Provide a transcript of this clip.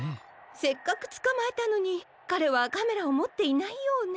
せっかくつかまえたのにかれはカメラをもっていないようね。